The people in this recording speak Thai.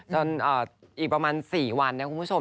จนอีกประมาณ๔วันนะครับคุณผู้ชม